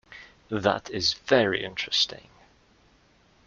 That is very interesting.